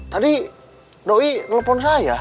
tadi doi telepon saya